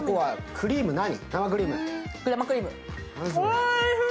生クリーム？